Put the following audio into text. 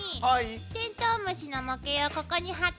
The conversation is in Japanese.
テントウムシの模型をここにはってみて。